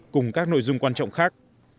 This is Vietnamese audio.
cùng các nội dung quan trọng khác